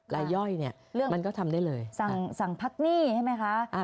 รายย่อยเนี้ยเรื่องมันก็ทำได้เลยสั่งสั่งพักหนี้ใช่ไหมคะอ่า